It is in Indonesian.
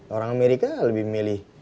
orang amerika lebih memilih